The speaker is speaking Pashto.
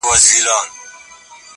تر غوږو مي ورته تاو كړل شخ برېتونه!!